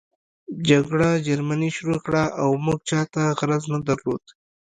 جګړه جرمني شروع کړه او موږ چاته غرض نه درلود